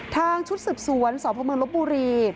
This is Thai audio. ทางชุดสืบสวนสวพเมืองลบบุรี